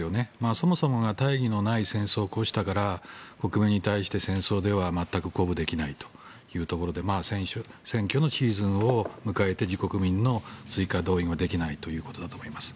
そもそもが大義のない戦争を起こしたら国民に対して戦争では全く鼓舞できないというところで選挙のシーズンを迎えて自国民の追加動員ができないということだと思います。